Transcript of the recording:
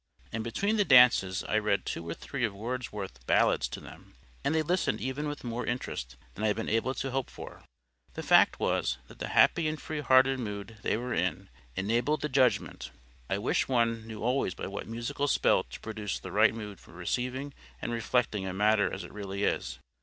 And between the dances I read two or three of Wordsworth's ballads to them, and they listened even with more interest than I had been able to hope for. The fact was, that the happy and free hearted mood they were in "enabled the judgment." I wish one knew always by what musical spell to produce the right mood for receiving and reflecting a matter as it really is.